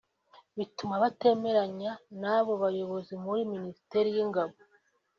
bituma batemeranya n’abo bayobozi muri Minisiteri y’ingabo